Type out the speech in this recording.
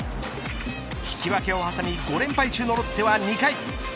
引き分けを挟み５連敗中のロッテは２回。